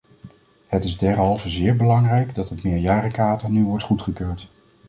Het is derhalve zeer belangrijk dat het meerjarenkader nu wordt goedgekeurd.